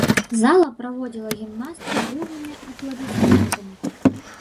Зала праводзіла гімнастку бурнымі апладысментамі.